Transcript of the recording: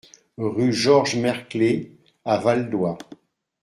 Rue Georges Mercklé à Valdoie